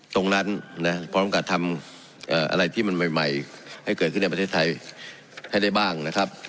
ตรงนั้นนะพร้อมกับทำอะไรที่มันใหม่ให้เกิดขึ้นในประเทศไทยให้ได้บ้างนะครับ